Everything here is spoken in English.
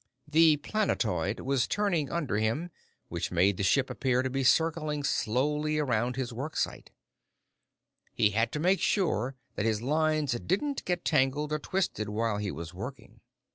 The planetoid was turning under him, which made the ship appear to be circling slowly around his worksite. He had to make sure that his lines didn't get tangled or twisted while he was working.